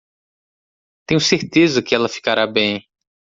Tenho certeza que ela ficará bem.